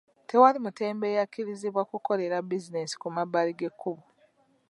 Tewali mutembeeyi akkirizibwa kukolera bizinensi ku mabbali g'ekkubo.